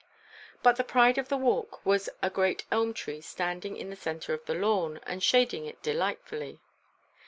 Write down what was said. But the pride of the Walk was a great elm tree standing in the centre of the lawn, and shading it delightfully.